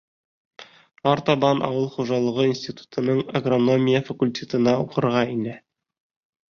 Артабан ауыл хужалығы институтының агрономия факультетына уҡырға инә.